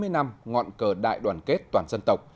sáu mươi năm ngọn cờ đại đoàn kết toàn dân tộc